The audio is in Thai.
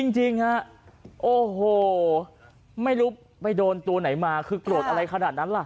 จริงฮะโอ้โหไม่รู้ไปโดนตัวไหนมาคือโกรธอะไรขนาดนั้นล่ะ